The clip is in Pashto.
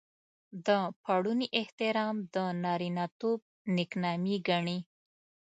د پړوني احترام د نارينه توب نېکنامي ګڼي.